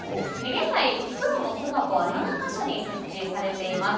現在フクロウの巣箱は７か所に設置されています。